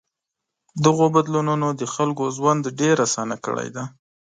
دغو بدلونونو د خلکو ژوند ډېر آسان کړی دی.